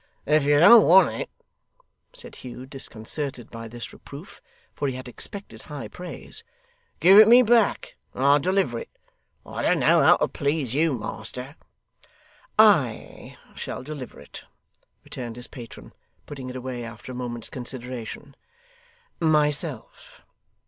'If you don't want it,' said Hugh, disconcerted by this reproof, for he had expected high praise, 'give it me back, and I'll deliver it. I don't know how to please you, master.' 'I shall deliver it,' returned his patron, putting it away after a moment's consideration, 'myself.